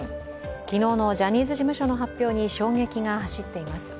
昨日のジャニーズ事務所の発表に衝撃が走っています。